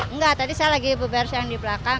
enggak tadi saya lagi bebersa yang di belakang